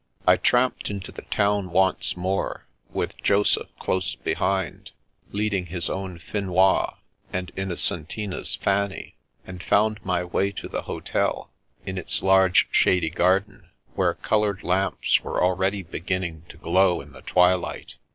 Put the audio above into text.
I tramped into the town once more, with Joseph close behind, leading his own Finois and Inno centina's Fanny, and found my way to the hotel, in its large shady garden, where coloured lamps were already banning to glow in the twilight.